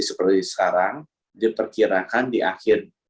seperti sekarang diperkirakan di akhir